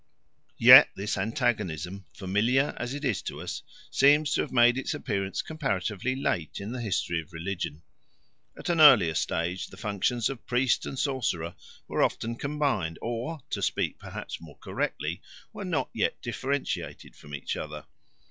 Yet this antagonism, familiar as it is to us, seems to have made its appearance comparatively late in the history of religion. At an earlier stage the functions of priest and sorcerer were often combined or, to speak perhaps more correctly, were not yet differentiated from each other.